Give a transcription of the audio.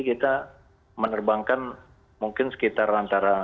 kita menerbangkan mungkin sekitar antara